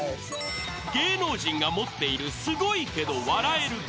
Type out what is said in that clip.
［芸能人が持っているスゴいけど笑える芸